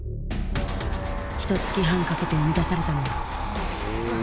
ひとつき半かけて生み出されたのは。